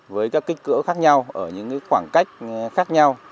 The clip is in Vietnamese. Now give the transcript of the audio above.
với các kích cỡ khác nhau ở những khoảng cách khác nhau